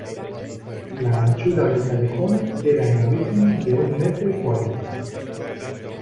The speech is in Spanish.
La anchura del callejón era en origen de un metro y cuarenta.